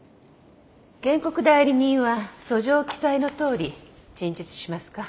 原告代理人は訴状記載のとおり陳述しますか？